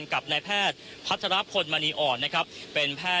คุณทัศนาควดทองเลยค่ะ